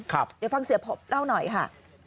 เดี๋ยวฟังเสียพบเล่าหน่อยค่ะ